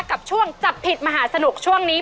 กับช่วงจับผิดมหาสนุกช่วงนี้